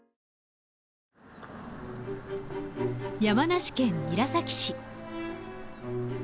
山梨県韮崎市。